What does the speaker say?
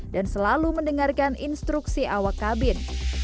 dan selalu mendengarkan instruksi awak kabin